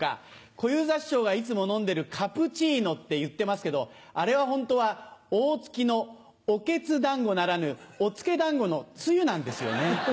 小遊三師匠がいつも飲んでるカプチーノって言ってますけどあれはホントは大月の「おケツだんご」ならぬ「おつけだんご」のつゆなんですよね。